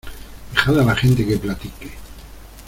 ¡ dejad a la gente que platique!